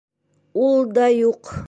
Ул да юҡ.